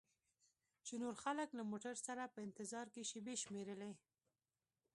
چې نور خلک له موټر سره په انتظار کې شیبې شمیرلې.